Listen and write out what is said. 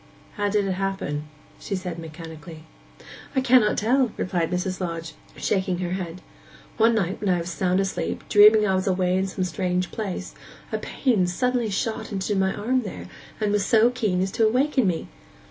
'How did it happen?' she said mechanically. 'I cannot tell,' replied Mrs. Lodge, shaking her head. 'One night when I was sound asleep, dreaming I was away in some strange place, a pain suddenly shot into my arm there, and was so keen as to awaken me.